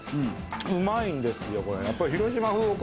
うまいんですよこれやっぱり。